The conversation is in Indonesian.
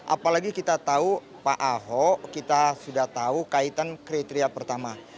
apalagi kita tahu pak ahok kita sudah tahu kaitan kriteria pertama